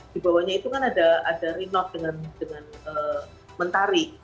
di bawahnya itu kan ada rino dengan menengah